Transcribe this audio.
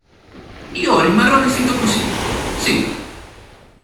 Io rimarrò vestito così, sì.